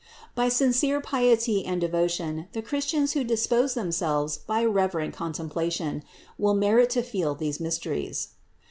By sincere piety and devotion, the Christians who dispose themselves by reverent contemplation, will merit to feel these mysteries.